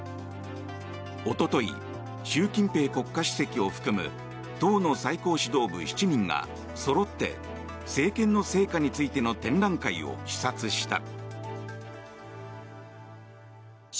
おととい、習近平国家主席を含む党の最高指導部７人がそろって政権の成果についての展覧会を視察した。